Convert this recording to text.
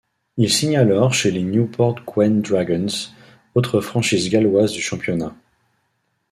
Il signe alors chez les Newport Gwent Dragons, autre franchise galloise du championnat.